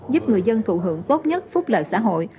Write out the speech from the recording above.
giúp người dân thụ hưởng tốt nhất phúc lợi xã hội